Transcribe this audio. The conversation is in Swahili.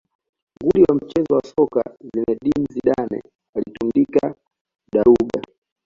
nguli wa mchezo wa soka zinedine zidane alitundika daruga